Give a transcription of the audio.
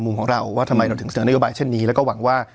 ของเราว่าทำไมเราถึงเสนอนโยบายเช่นนี้แล้วก็หวังว่า